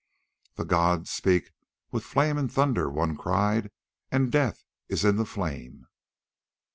"The gods speak with flame and thunder," one cried, "and death is in the flame."